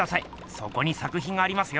そこに作品がありますよ。